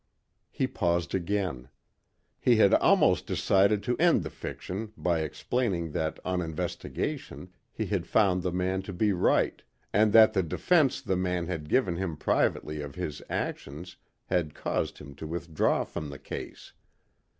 He paused again. He had almost decided to end the fiction by explaining that on investigation he had found the man to be right and that the defense the man had given him privately of his actions had caused him to withdraw from the case.